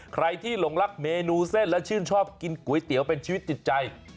ใครที่หลงรักเมนูเส้นและชื่นชอบกินก๋วยเตี๋ยวเป็นชีวิตจิตใจ